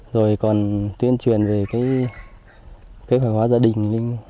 rồi còn tuyên truyền về kế hoạch hóa gia đình